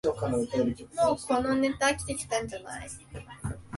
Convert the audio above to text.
もうこのネタ飽きてきたんじゃない